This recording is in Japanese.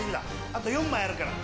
あと４枚あるから。